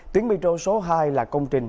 tuyến metro số hai là công trình